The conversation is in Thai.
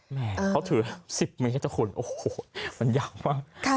แหมเขาถือ๑๐มื้อให้เจ้าคุณโอ้โฮมันยากมาก